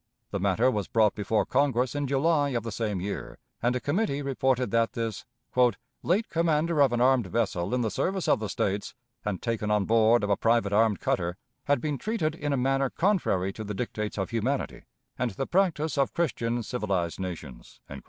The matter was brought before Congress in July of the same year, and a committee reported that this "late commander of an armed vessel in the service of the States, and taken on board of a private armed cutter, had been treated in a manner contrary to the dictates of humanity, and the practice of Christian civilized nations."